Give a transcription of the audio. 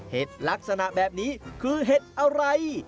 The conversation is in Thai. เห็ดลักษณะแบบนี้คือเห็ดอะไร